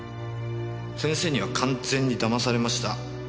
先生には完全に騙されました。